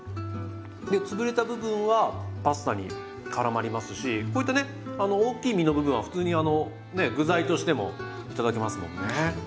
で潰れた部分はパスタにからまりますしこういったね大きい身の部分は普通にね具材としても頂けますもんね。